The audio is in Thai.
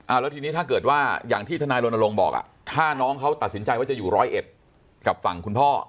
แล้วทีนี้ถ้าเกิดว่าอย่างที่ทนายรณรงค์บอกอ่ะถ้าน้องเขาตัดสินใจว่าจะอยู่ร้อยเอ็ดกับฝั่งคุณพ่อ